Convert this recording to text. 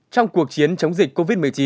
trong cuộc chiến chống dịch covid một mươi chín